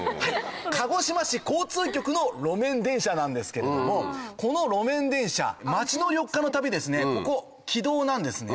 鹿児島市交通局の路面電車なんですけれどもこの路面電車街の緑化のためにここ軌道なんですね。